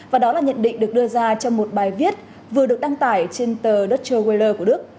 và đó là nhận định được đưa ra trong một bài viết vừa được đăng tải trên tờ deuture waler của đức